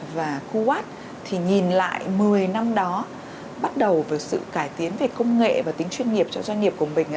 và kuwatt thì nhìn lại một mươi năm đó bắt đầu với sự cải tiến về công nghệ và tính chuyên nghiệp cho doanh nghiệp của mình